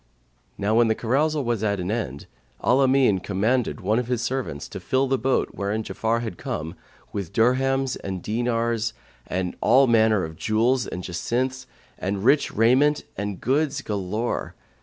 Now when the carousal was at an end, Al Amin commanded one of his servants to fill the boat, wherein Ja'afar had come, with dirhams and dinars and all manner of jewels and jacinths and rich raiment and goods galore.